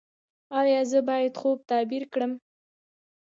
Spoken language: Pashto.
ایا زه باید خوب تعبیر کړم؟